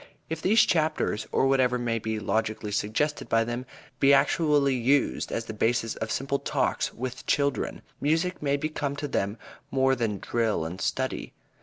If these chapters, or whatever may be logically suggested by them, be actually used as the basis of simple Talks with children, music may become to them more than drill and study.